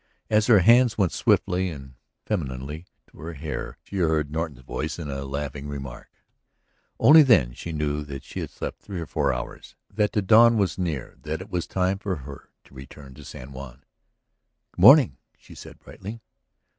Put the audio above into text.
As her hands went swiftly and femininely to her hair, she heard Norton's voice in a laughing remark. Only then she knew that she had slept three or four hours, that the dawn was near, that it was time for her to return to San Juan. "Good morning," she said brightly.